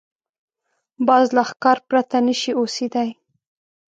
باز له ښکار پرته نه شي اوسېدای